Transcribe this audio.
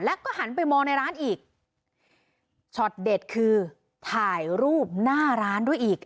แล้วก็หันไปมองในร้านอีกช็อตเด็ดคือถ่ายรูปหน้าร้านด้วยอีก